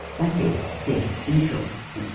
That is, " This eagle," &c.